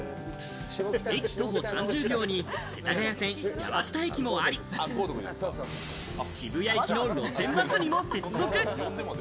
駅徒歩３０秒に世田谷線山下駅もあり、渋谷行きの路線バスにも接続。